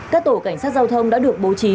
các tổ cảnh sát giao thông đã được bố trí